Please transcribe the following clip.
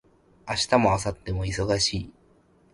明日も明後日も忙しい